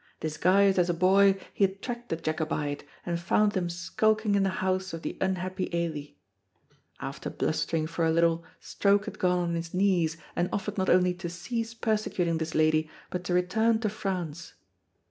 Disguised as a boy he had tracked the Jacobite and found him skulking in the house of the unhappy Ailie. After blustering for a little Stroke had gone on his knees and offered not only to cease persecuting this lady but to return to France.